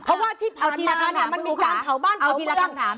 เพราะว่าที่ผ่านมามันมีการเผ่าบ้านเผ่าเมือง